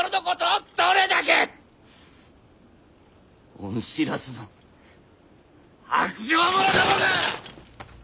恩知らずの薄情者どもが！